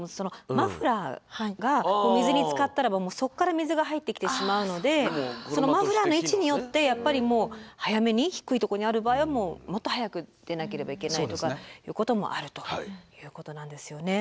マフラーが水につかったらばそこから水が入ってきてしまうのでマフラーの位置によってやっぱりもう早めに低いとこにある場合はもっと早く出なければいけないとかいうこともあるということなんですよね。